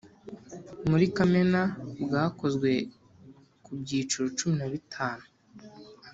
muri Kamena bwakozwe ku byiciro cumi na bitanu